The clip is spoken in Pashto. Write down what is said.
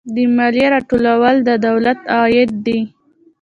د مالیې راټولول د دولت عاید دی